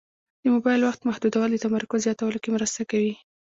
د موبایل وخت محدودول د تمرکز زیاتولو کې مرسته کوي.